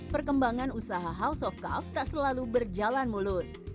perkembangan usaha house of cuff tak selalu berjalan mulus